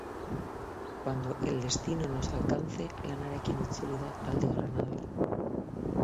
Cuando el destino nos alcance lanarekin itzuli da talde granadarra.